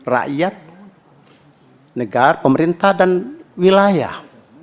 rakyat negara pemerintah dan wilayah